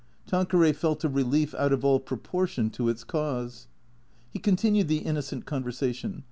Tanqueray felt a relief out of all proportion to its cause. He continued the innocent conversation.